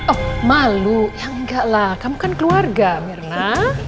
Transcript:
oh malu ya enggak lah kamu kan keluarga mirna